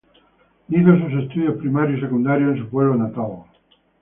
Hizo sus estudios primarios y secundarios en su pueblo natal.